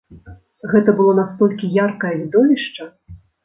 Гэта было настолькі яркае відовішча!